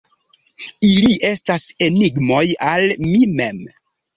Ili estas enigmoj al mi mem.